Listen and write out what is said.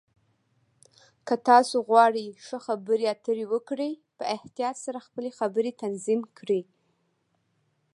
که تاسو غواړئ ښه خبرې اترې وکړئ، په احتیاط سره خپلې خبرې تنظیم کړئ.